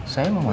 saya mau masuk